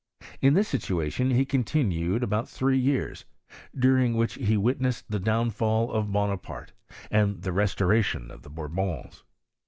In this situation he coritiQued about three years, during which he witnessed the downfiJ of Bonaparte, and the restoration of the Bourbons.